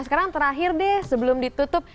sekarang terakhir deh sebelum ditutup